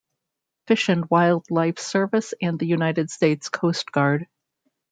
Fish and Wildlife Service and the United States Coast Guard.